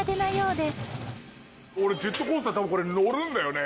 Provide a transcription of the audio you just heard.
俺ジェットコースター多分これ乗るんだよね？